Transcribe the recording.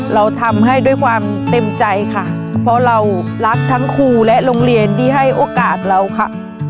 เราทำให้ด้วยความเต็มใจค่ะเพราะเรารักทั้งครูและโรงเรียนที่ให้โอกาสเราค่ะ